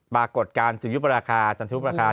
มากดการศุยุประคา